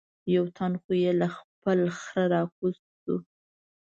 یو تن خو یې له خپل خره را کوز شو.